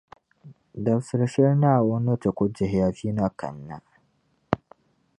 Dabsili shɛli Naawuni ni ti ku dihi ya vi na kani na